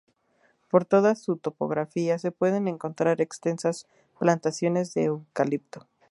Por toda su topografía se pueden encontrar extensas plantaciones de eucalipto.